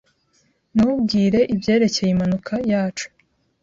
Ntubwire ibyerekeye impanuka yacu.